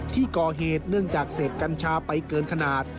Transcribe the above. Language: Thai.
ที่ก่อเหตุเนื่องจากเสพกัญชาไปเกินขนาด